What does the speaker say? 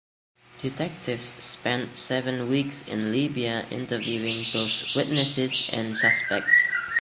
Detectives spent seven weeks in Libya interviewing both witnesses and suspects.